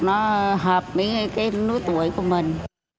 nó hợp với cái núi tuổi của mình